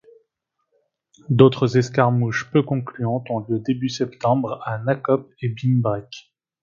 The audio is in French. D'autres escarmouches peu concluantes ont lieu début septembre à Nakop et Beenbreck.